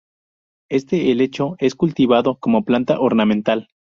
Este helecho es cultivado como planta ornamental.